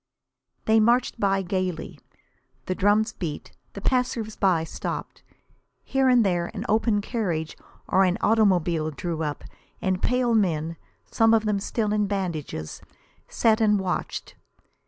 They marched by gaily. The drums beat. The passers by stopped. Here and there an open carriage or an automobile drew up, and pale men, some of them still in bandages, sat and watched.